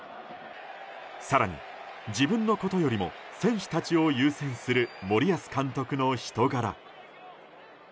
更に、自分のことよりも選手たちを優先する森保監督の人柄。